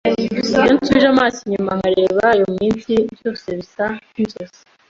Iyo nsubije amaso inyuma nkareba iyo minsi, byose bisa nkinzozi.